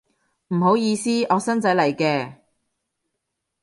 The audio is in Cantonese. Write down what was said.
唔好意思，我新仔嚟嘅